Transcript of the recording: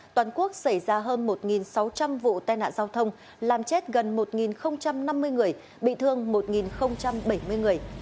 toàn quốc xảy ra hơn một sáu trăm linh vụ tai nạn giao thông làm chết gần một năm mươi người bị thương một bảy mươi người